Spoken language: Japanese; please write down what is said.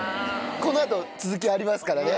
この後続きありますからね。